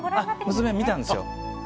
娘、見たんですよ。